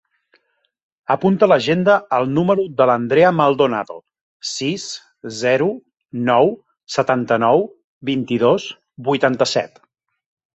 Apunta a l'agenda el número de l'Andrea Maldonado: sis, zero, nou, setanta-nou, vint-i-dos, vuitanta-set.